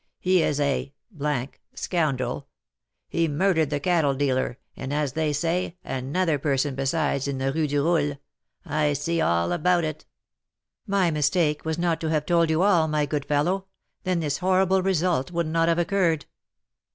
He is a scoundrel; he murdered the cattle dealer, and, as they say, another person besides, in the Rue du Roule. I see all about it '" Receiver of stolen goods. "My mistake was not to have told you all, my good fellow; then this horrible result would not have occurred."